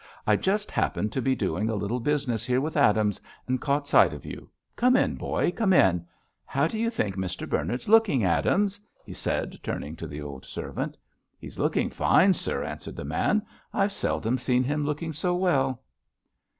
"I just happened to be doing a little business here with Adams, and caught sight of you. Come in, boy, come in. How do you think Mr. Bernard's looking, Adams?" he said, turning to the old servant. "He's looking fine, sir," answered the man. "I've seldom seen him looking so well."